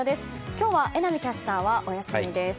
今日は榎並キャスターはお休みです。